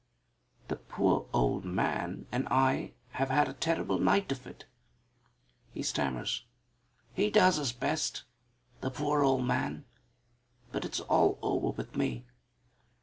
"The poor old man and I have had a terrible night of it," he stammers; "he does his best the poor old man! but it's all over with me."